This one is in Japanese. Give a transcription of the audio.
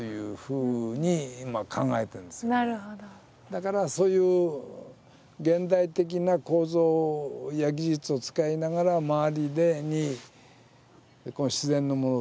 だからそういう現代的な構造や技術を使いながら周りに自然のものでやるっていうのはね。